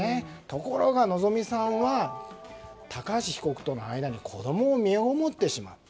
ところがのぞみさんは高橋被告との間に子供を身ごもってしまった。